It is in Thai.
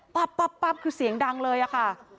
ปั๊บคือเสียงดังเลยอะค่ะ